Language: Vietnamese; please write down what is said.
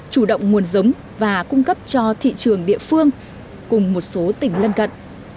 chủ động nguồn giống và cung cấp cho thị trường địa phương cùng một số tỉnh lân cận